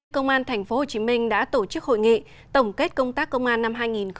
công an tp hcm đã tổ chức hội nghị tổng kết công tác công an năm hai nghìn hai mươi ba